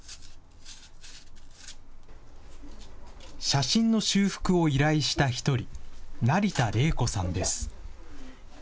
写真の修復を依頼した１人、成田怜子さんです。